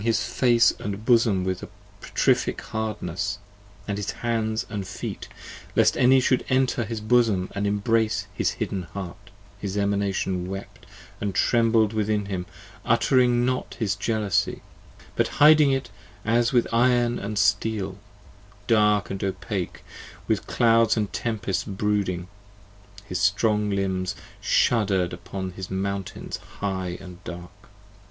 38 HIS face and bosom with petrific hardness, and his hands And feet, lest any should enter his bosom & embrace His hidden heart: his Emanation wept & trembled within him: Uttering not his jealousy, but hiding it as with 5 Iron and steel, dark and opake, with clouds & tempests brooding: His strong limbs shudder'd upon his mountains high and dark.